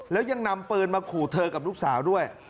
แล้วยังนำปืนมาขู่เธอกับลูกสาวด้วย